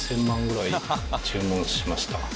１０００万ぐらい注文しました。